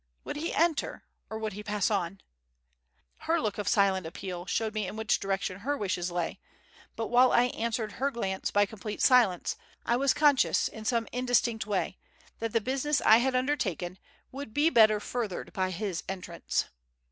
Would he enter; or would he pass on? Her look of silent appeal showed me in which direction her wishes lay, but while I answered her glance by complete silence, I was conscious in some indistinct way that the business I had undertaken would be better furthered by his entrance.